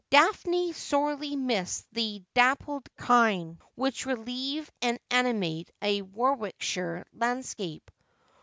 Daphne sorely missed the dappled kine which relieve and ani mate a Warwickshire landscape.